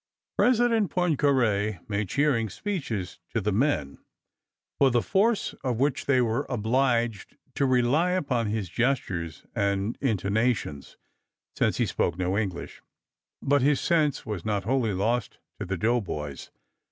President Poincaré made cheering speeches to the men, for the force of which they were obliged to rely upon his gestures and his intonations, since he spoke no English. But his sense was not wholly lost to the doughboys.